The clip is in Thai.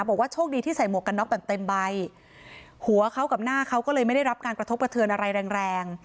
บอกว่าโชคดีที่ใส่หมวกกันน็อกแบบเต็มใบหัวเขากับหน้าเขาก็เลยไม่ได้รับการกระทบกระเทือนอะไรแรงแรง